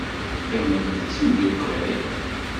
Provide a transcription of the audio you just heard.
Qqiment d timeddukal.